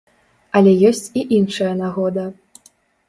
Але ёсць і іншая нагода!